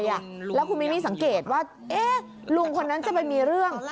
แล้วคุณมิมี่สังเกตว่าลุงคนนั้นจะไปมีเรื่อง